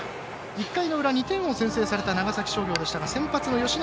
１回の裏、２点を先制された長崎商業でしたが先発の吉永。